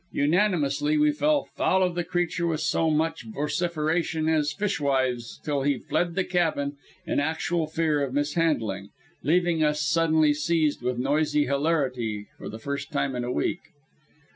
Unanimously we fell foul of the creature with so much vociferation as fishwives till he fled the cabin in actual fear of mishandling, leaving us suddenly seized with noisy hilarity for the first time in a week.